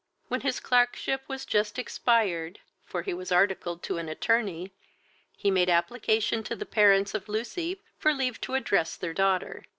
When his clerkship was just expired, (for he was articled to an attorney,) he made application to the parents of Lucy for leave to address their daughter.